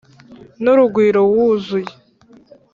n'urugwiro wuzuye,